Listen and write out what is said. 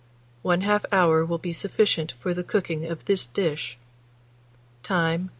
1/2 hour will be sufficient for the cooking of this dish. Time.